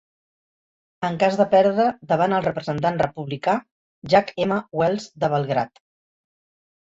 En cas de perdre davant el representant republicà, Jack M. Wells de Belgrad.